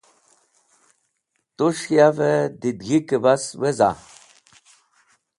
Tus̃h yavẽ didẽghikẽ bas weza?